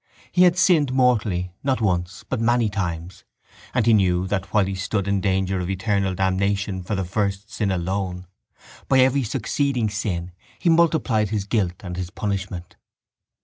He had sinned mortally not once but many times and he knew that, while he stood in danger of eternal damnation for the first sin alone, by every succeeding sin he multiplied his guilt and his punishment.